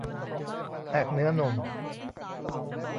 แตกเนื้อหนุ่ม